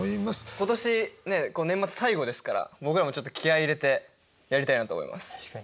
今年年末最後ですから僕らもちょっと気合い入れてやりたいなと思います。